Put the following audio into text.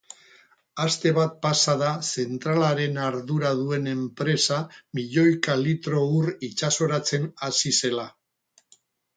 Aste bat pasa da zentralaren ardura duen enpresa milioika litro ur itsasoratzen hasi zela.